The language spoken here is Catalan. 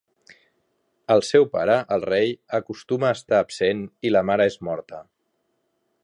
El seu pare, el rei, acostuma a estar absent i la mare és morta.